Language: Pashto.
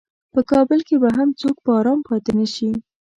په کابل کې به هم څوک په ارام پاتې نشي.